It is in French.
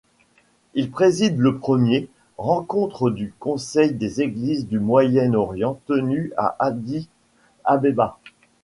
Il préside le première rencontre du Conseil des Églises du Moyen-Orient tenu à Addis-Abeba.